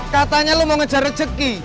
katanya lo mau ngejar rezeki